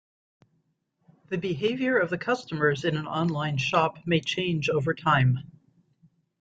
The behavior of the customers in an online shop may change over time.